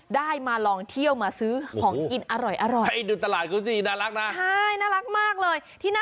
ได้มาลองเที่ยวมาซื้อของอินอร่อย